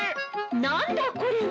なんだこれは！